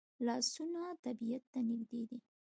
لاسونه طبیعت ته نږدې دي